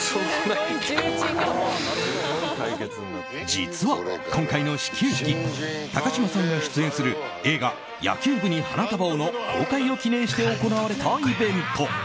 実は今回の始球式高嶋さんが出演する映画「野球部に花束を」の公開を記念して行われたイベント。